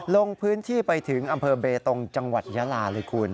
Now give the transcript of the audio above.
ลงพื้นที่ไปถึงอำเภอเบตงจังหวัดยาลาเลยคุณ